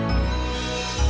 ya pada kumpul tuh